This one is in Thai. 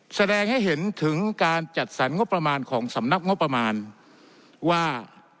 แสดงให้เห็นถึงการจัดสรรงบประมาณของสำนักงบประมาณว่า